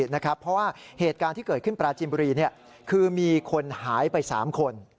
เพราะว่าเหตุการณ์ที่เกิดขึ้นปราจินบุรีคือมีคนหายไป๓คน